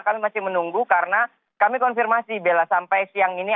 kami masih menunggu karena kami konfirmasi bella sampai siang ini